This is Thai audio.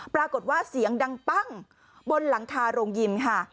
ปรากฏว่าเสียงดังปั้งบนหลังคาโรงยิมค่ะ